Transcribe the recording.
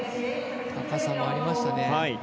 高さもありましたね。